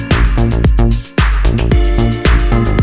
ที่วิทยาลัย